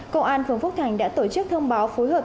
công an phường phúc thành đã tổ chức thông báo phối hợp